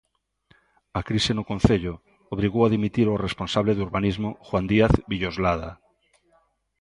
A crise no concello obrigou a dimitir ao responsable de urbanismo, Juan Díaz Villoslada.